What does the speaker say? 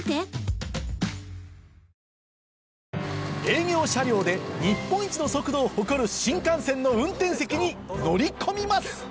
営業車両で日本一の速度を誇る新幹線の運転席に乗り込みます！